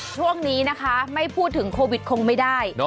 ช่วงนี้นะคะไม่พูดถึงโควิดคงไม่ได้